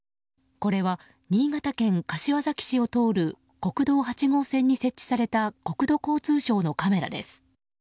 これは、新潟県柏崎市を通る国道８号線に設置された国土交通省のカメラです。